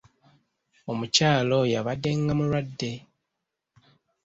Omukyala oyo abaddenga mulwadde.